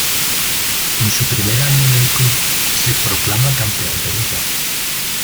En su primer año en el club se proclama campeón de Liga.